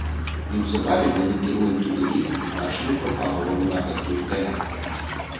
Неўзабаве мы накіруем туды ліст з нашымі прапановамі на гэту тэму.